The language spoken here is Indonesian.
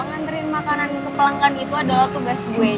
nganterin makanan ke pelanggan itu adalah tugas gue